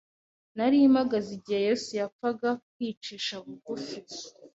Nari mpagaze igihe Yesu yapfaga kwicisha bugufi